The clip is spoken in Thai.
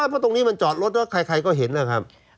เพราะตรงนี้มันจอดรถแล้วใครก็เห็นนะครับ